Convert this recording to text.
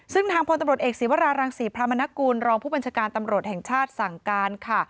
ซึ่งทางพลตำรวจเอกศีวรารังศรีพระมนกูลรองผู้บัญชาการตำรวจแห่งชาติสั่งการค่ะ